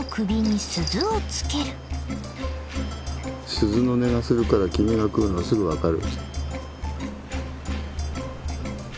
鈴の音がするから君が来るのすぐ分かる。